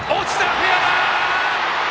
フェアだ！